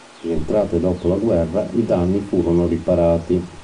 Rientrate dopo la guerra, i danni furono riparati.